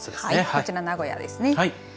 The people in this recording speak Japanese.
こちらは名古屋ですね。